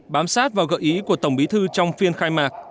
bám sát vào gợi ý của tổng bí thư trong phiên khai mạc